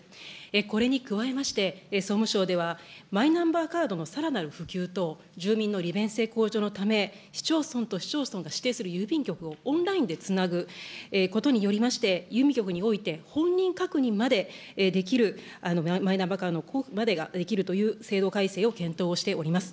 これに加えまして、総務省では、マイナンバーカードのさらなる普及と、住民の利便性向上のため、市町村と市町村が指定する郵便局をオンラインでつなぐことによりまして、郵便局において、本人確認までできるマイナンバーカードの交付までができるという制度改正を検討をしております。